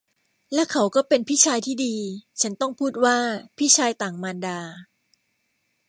และเขาก็เป็นพี่ชายที่ดี - ฉันต้องพูดว่าพี่ชายต่างมารดา